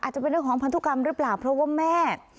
จะเป็นเรื่องของพันธุกรรมหรือเปล่าเพราะว่าแม่